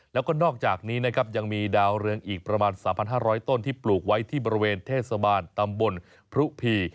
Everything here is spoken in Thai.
แล้วก็นอกจากนี้นะครับยังมีดาวเรืองอีกประมาณ๓๕๐๐ต้นที่ปลูกไว้ที่บริเวณเทศบาลตำบลพรุพี